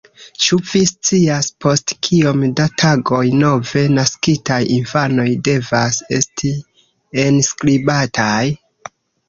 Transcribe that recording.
Ĉu vi scias, post kiom da tagoj nove naskitaj infanoj devas esti enskribataj?